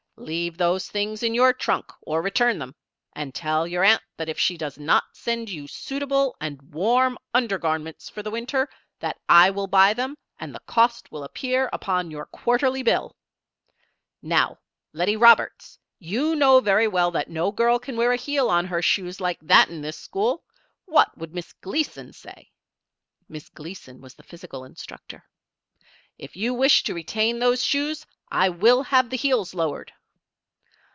"Leave those things in your trunk, or return them. And tell your aunt that if she does not send you suitable and warm under garments for the winter, that I will buy them and the cost will appear upon your quarterly bill. "Now, Lettie Roberts! you know very well that no girl can wear a heel on her shoes like that in this school. What would Miss Gleason say?" Miss Gleason was the physical instructor. "If you wish to retain those shoes I will have the heels lowered."